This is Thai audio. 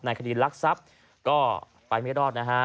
ในคดีลักษับก็ไปไม่รอดนะฮะ